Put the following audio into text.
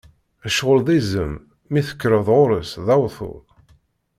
Ccɣel d izem, mi tekkreḍ ɣer-s d awtul.